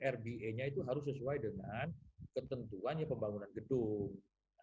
rba nya itu harus sesuai dengan ketentuan pembangunan gedung